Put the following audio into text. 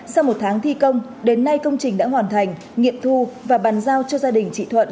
sau một tháng thi công đến nay công trình đã hoàn thành nghiệm thu và bàn giao cho gia đình chị thuận